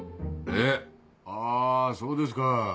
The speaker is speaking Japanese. えっあそうですか。